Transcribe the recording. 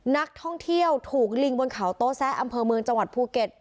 นักท่องเที่ยวถูกลิงบนเขาโต๊แซะอำเภอเมืองจังหวัดภูเก็ต